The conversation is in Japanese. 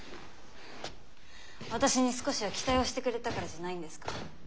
私に少しは期待をしてくれたからじゃないんですか？